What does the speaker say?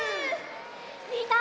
みんな！